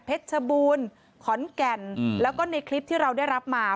ชบูรณ์ขอนแก่นแล้วก็ในคลิปที่เราได้รับมา